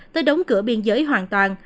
tới đóng cửa biên giới hoàn toàn